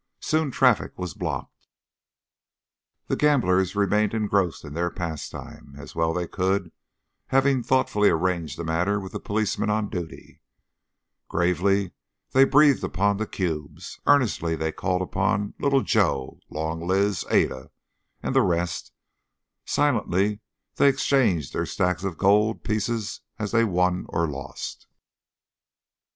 Soon traffic was blocked. The gamblers remained engrossed in their pastime, as well they could, having thoughtfully arranged the matter with the policeman on duty; gravely they breathed upon the cubes; earnestly they called upon "Little Joe," "Long Liz," "Ada," and the rest; silently they exchanged their stacks of gold pieces as they won or lost.